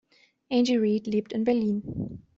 Angie Reed lebt in Berlin.